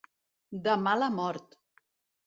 De mala mort.